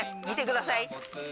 見てください。